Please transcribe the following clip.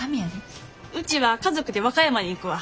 ウチは家族で和歌山に行くわ。